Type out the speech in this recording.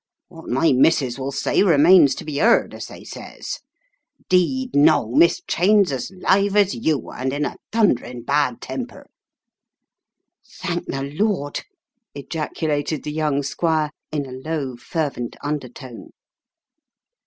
What my missis will say remains to be 'eard, as they says. 'Deed, no, Miss Cheyne's as five as you, and in a thunderin' bad temper " "Thank the Lord!" ejaculated the young squire in a low, fervent undertone.